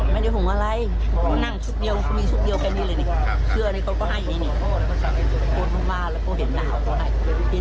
มันลุกเลยไปถึง๓๐นาทีได้หมดเลย